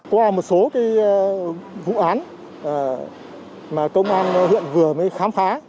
qua một số vụ án mà công an huyện vừa mới khám phá